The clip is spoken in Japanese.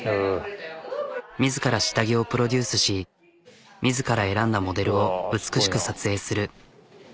自ら下着をプロデュースし自ら選んだモデルを美しく撮影する。